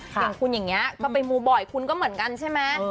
อย่างคุณอย่างนี้ก็ไปมูบ่อยคุณก็เหมือนกันใช่ไหม